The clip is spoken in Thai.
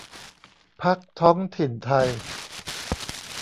พรรคท้องถิ่นไทย